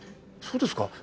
そうですか？